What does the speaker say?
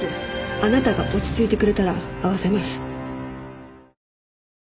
あなたが落ち着いてくれたら会わせます。